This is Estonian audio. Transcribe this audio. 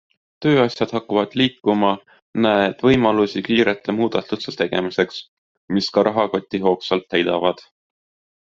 Tööasjad hakkavad liikuma, näed võimalusi kiirete muudatuste tegemiseks, mis ka rahakotti hoogsalt täidavad.